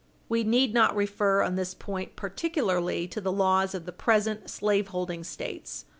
We need not refer on this point particularly to the laws of the present slaveholding States.